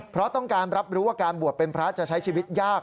เพราะต้องการรับรู้ว่าการบวชเป็นพระจะใช้ชีวิตยาก